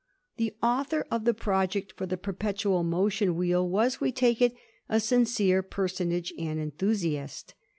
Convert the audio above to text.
The author of the pro ject for the perpetual motion wheel was, we take it, a sincere personage and enthusiast.